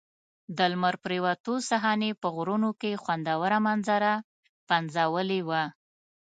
د لمر پرېوتو صحنې په غرونو کې خوندوره منظره پنځولې وه.